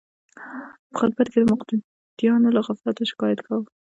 په خطبه کې د مقتدیانو له غفلته شکایت کاوه.